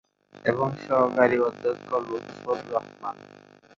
এবং সহকারী অধ্যক্ষ লুৎফর রহমান।